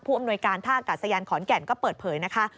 อำนวยการท่าอากาศยานขอนแก่นก็เปิดเผยนะคะ